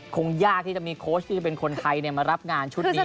คงยากที่จะมีโค้ชที่จะเป็นคนไทยมารับงานชุดนี้